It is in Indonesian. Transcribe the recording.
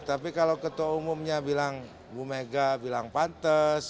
tapi kalau ketua umumnya bilang bumega bilang pantes